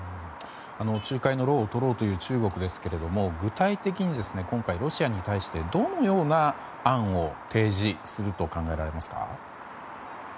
仲介の労を取ろうという中国ですが、具体的に今回、ロシアに対してどのような案を提示すると考えられますか？